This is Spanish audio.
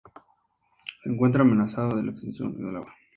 Se encuentra amenazado de extinción debido a la extracción de agua.